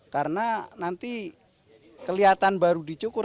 karena nanti kelihatan baru dicukur